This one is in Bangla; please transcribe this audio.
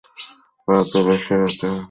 ভারতের জাতীয় বেশিরভাগ রেকর্ড ওনার দখলে।